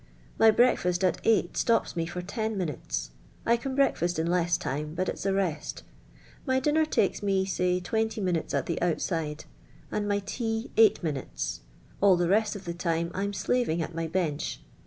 My breakfast at ei^ht slops m*: for ti n minutes. I cnn breiikiast in lei^s time, but it'.s a rez^t; my dinner Ukcs me Miy twenty minutes at the outride ; and my tea, ei^iii minute.s. All tiie re»t of the time I'm .slaxin;; at my bench.